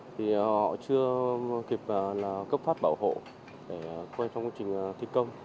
thì họ chưa kịp cấp phát bảo hộ để quay trong quá trình thi công